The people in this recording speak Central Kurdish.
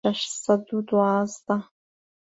شەش سەد و دوازدە